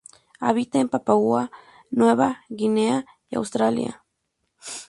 Habita en Papúa Nueva Guinea y Australia.